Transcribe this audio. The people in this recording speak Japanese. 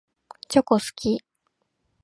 チョコ好き。